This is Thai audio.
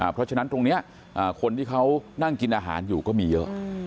เพราะฉะนั้นตรงนี้คนที่เขานั่งกินอาหารอยู่ก็มีเยอะ